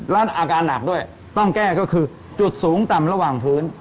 แล้วอาการหนักด้วยต้องแก้ก็คือจุดสูงต่ำระหว่างพื้น